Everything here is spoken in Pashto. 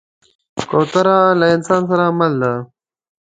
کوتره له انسان سره مل ده.